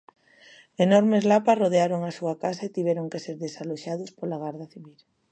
Enormes lapas rodearon a súa casa e tiveron que ser desaloxados pola Garda Civil.